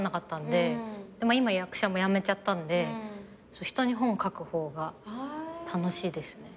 でも今役者も辞めちゃったんで人に本書く方が楽しいですね。